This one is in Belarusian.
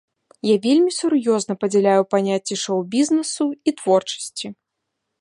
Я вельмі сур'ёзна падзяляю паняцці шоу-бізнесу і творчасці.